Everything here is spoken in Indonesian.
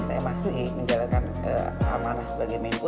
saya masih menjalankan amanah sebagai menko